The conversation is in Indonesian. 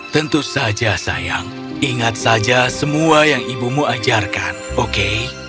tentu saja sayang ingat saja semua yang ibumu ajarkan oke